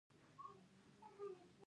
لیمو ویټامین سي لري